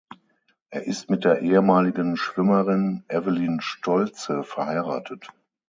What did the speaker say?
Er ist mit der ehemaligen Schwimmerin Evelyn Stolze verheiratet.